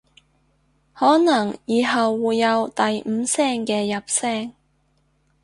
可能以後會有第五聲嘅入聲